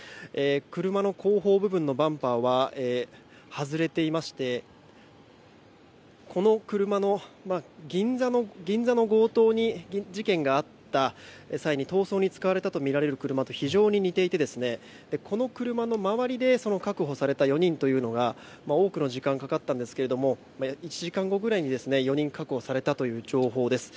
車の後方部分のバンパーは外れていまして銀座の強盗事件があった際に逃走に使われたとみられている車と非常に似ていて、この車の周りで確保された４人というのが多くの時間がかかったんですが１時間後くらいに４人が確保されたという情報です。